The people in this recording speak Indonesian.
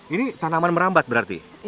ini tanaman merambat berarti